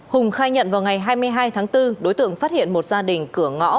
hùng khai nhận vào ngày hai mươi hai tháng bốn đối tượng phát hiện một gia đình cửa ngõ